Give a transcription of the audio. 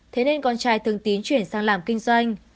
thế nên con trai thường tín chuyển sang làm kinh doanh